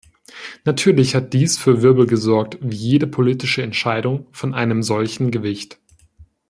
Natürlich hat dies für Wirbel gesorgt, wie jede politische Entscheidung von einem solchen Gewicht.